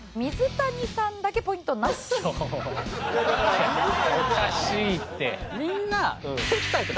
いやおかしいって。